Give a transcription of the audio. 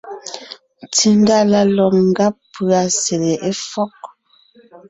Tsindá la lɔ̂g ngàb pʉ́a sele éfɔ́g.